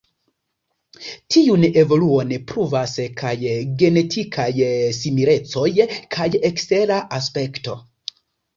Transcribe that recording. Tiun evoluon pruvas kaj genetikaj similecoj kaj ekstera aspekto.